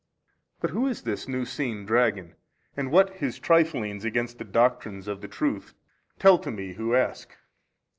A. But who is this new seen dragon and what his triflings against the doctrines of the Truth tell to me who ask.